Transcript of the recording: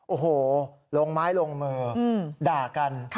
โอ้โหลงไม้ลงมือด่ากัน